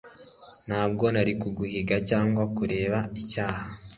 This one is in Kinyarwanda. Ntabwo ari uguhiga cyangwa kureba icyaha